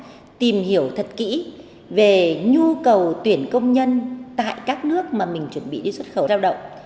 chúng tôi muốn khuyến cáo đến người dân trước khi xuất khẩu lao động thì nên tìm hiểu thật kỹ về nhu cầu tuyển công nhân tại các nước mà mình chuẩn bị đi xuất khẩu lao động